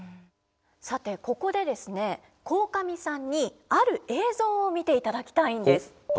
さてここでですね鴻上さんにある映像を見ていただきたいんです。